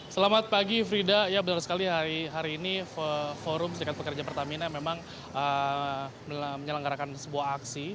selamat pagi frida ya benar sekali hari ini forum serikat pekerja pertamina memang menyelenggarakan sebuah aksi